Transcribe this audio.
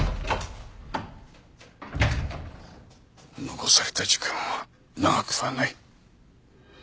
残された時間は長くはない。